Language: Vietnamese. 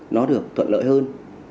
nó được thuận lợi hơn